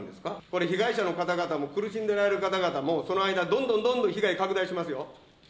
これ、被害者の方々も、苦しんでおられる方々も、その間、どんどんどんどん被害拡大しますよ。